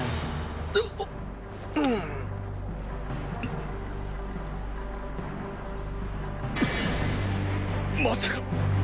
っ⁉まさか！